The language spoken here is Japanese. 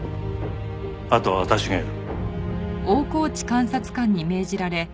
あとは私がやる。